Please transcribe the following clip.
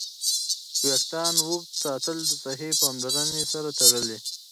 ویښتان اوږد ساتل د صحي پاملرنې سره تړلي.